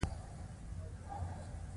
• دا قوم د خپلو دودونو ارزښت پېژني.